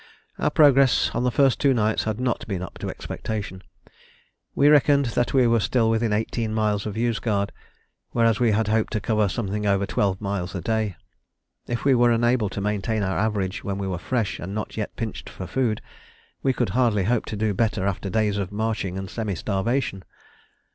Our progress on the first two nights had not been up to expectation: we reckoned that we were still within eighteen miles of Yozgad, whereas we had hoped to cover something over twelve miles a day. If we were unable to maintain our average when we were fresh and not yet pinched for food, we could hardly hope to do better after days of marching and semi starvation.